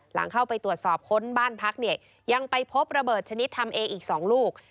หลังเข้าไปตรวจสอบค้นบ้านพักเนี่ยยังไปพบระเบิดชนิดทำเออีก๒ลูก